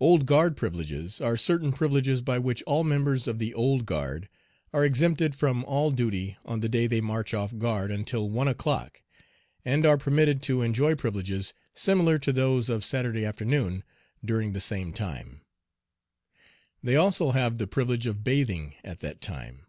"Old Guard privileges" are certain privileges by which all members of the "Old Guard" are exempted from all duty on the day they march off guard until one o'clock, and are permitted to enjoy privileges similar to those of Saturday afternoon during the same time. They also have the privilege of bathing at that time.